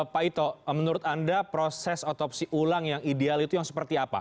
pak ito menurut anda proses otopsi ulang yang ideal itu yang seperti apa